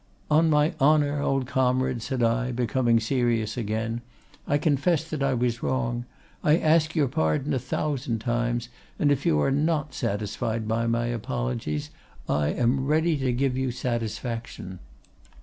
"'On my honor, old comrade,' said I, becoming serious again, 'I confess that I was wrong; I ask your pardon a thousand times, and if you are not satisfied by my apologies I am ready to give you satisfaction.